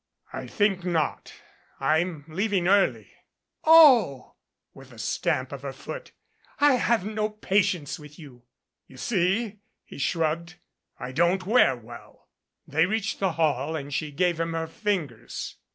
"I think not. I'm leaving early." "Oh," with a stamp of her foot. "I have no patience with you!" "You see," he shrugged, "I don't wear well." They reached the hall and she gave him her fingers.